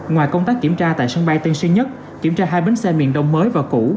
ngoài công tác kiểm tra tại sân bay tân sơn nhất kiểm tra hai bến xe miền đông mới và cũ